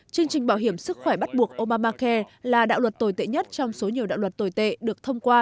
chương trình bảo hiểm sức khỏe bắt buộc obamacare là đạo luật tồi tệ nhất trong số nhiều đạo luật tồi tệ được thông qua